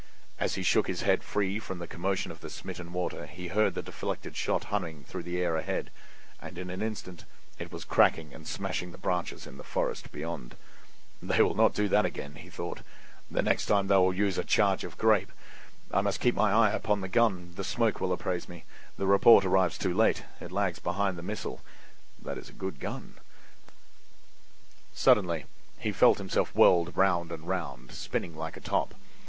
As he shook his head free from the commotion of the smitten water he heard the deflected shot humming through the air ahead, and in an instant it was cracking and smashing the branches in the forest beyond. "They will not do that again," he thought; "the next time they will use a charge of grape. I must keep my eye upon the gun; the smoke will apprise me—the report arrives too late; it lags behind the missile. That is a good gun." Suddenly he felt himself whirled round and round—spinning like a top.